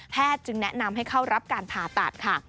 จึงแนะนำให้เข้ารับการผ่าตัดค่ะ